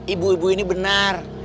ibu ibu ini benar